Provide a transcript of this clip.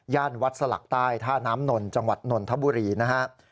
วัดสลักใต้ท่าน้ำนนจังหวัดนนทบุรีนะฮะ